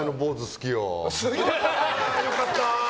良かった。